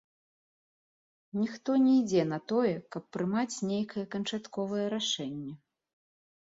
Ніхто не ідзе на тое, каб прымаць нейкае канчатковае рашэнне.